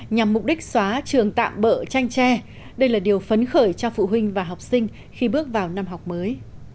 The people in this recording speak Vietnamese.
nhằm mục đích xóa trường tạm bỡ tranh tre đây là điều phấn khởi cho phụ huynh và học sinh khi bước vào năm học mới